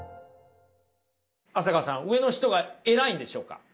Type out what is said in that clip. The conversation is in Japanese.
浅川さん上の人が偉いんでしょうか。